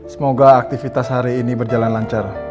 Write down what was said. semoga aktivitas hari ini berjalan lancar